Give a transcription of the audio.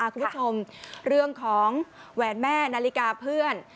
คุณผู้ชมเรื่องของแหวนแม่นาฬิกาเพื่อน